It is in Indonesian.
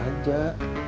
mas suha jahat